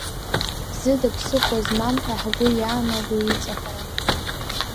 Зыда ԥсыхәа змам ҳәа ҳгәы иаанаго иҵаҳәара.